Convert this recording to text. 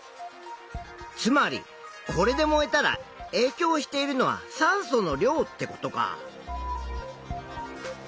つまりこれで燃えたらえいきょうしているのは酸素の量ってことか。